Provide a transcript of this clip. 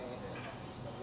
karena kan ini udah jadi bumbu